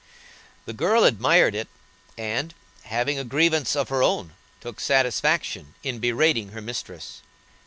The girl admired it, and, having a grievance of her own, took satisfaction in berating her mistress.